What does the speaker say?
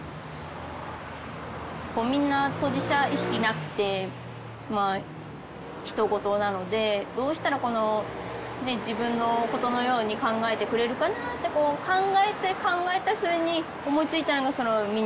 みんな当事者意識なくてまあひと事なのでどうしたらこの自分のことのように考えてくれるかなってこう考えて考えた末に思いついたのがそのミニチュアで。